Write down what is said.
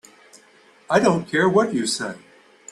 I don't care what you say.